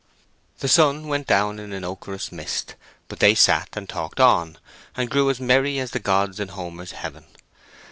The sun went down in an ochreous mist; but they sat, and talked on, and grew as merry as the gods in Homer's heaven.